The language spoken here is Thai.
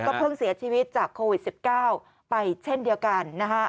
เพิ่งเสียชีวิตจากโควิด๑๙ไปเช่นเดียวกันนะฮะ